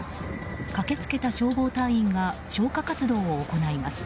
駆け付けた消防隊員が消火活動を行います。